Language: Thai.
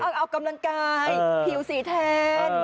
ต้องออกกำลังกายผิวสีแทน